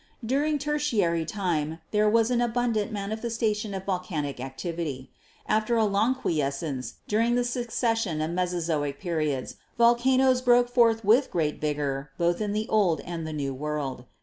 During Tertiary time there was an abundant manifesta tion of volcanic activity. After a long quiescence during the succession of Mesozoic periods volcanoes broke forth with great vigor both in the Old and the New World.